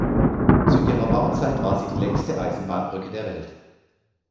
Zu ihrer Bauzeit war sie die längste Eisenbahnbrücke der Welt.